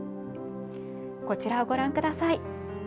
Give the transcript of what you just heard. こちらをご覧ください。